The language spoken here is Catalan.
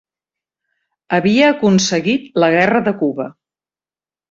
Havia aconseguit la guerra de Cuba.